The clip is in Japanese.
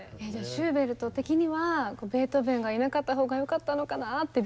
シューベルト的にはベートーベンがいなかった方がよかったのかなって。